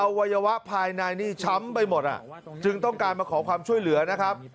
วัยวะภายในนี่ช้ำไปหมดอ่ะจึงต้องการมาขอความช่วยเหลือนะครับ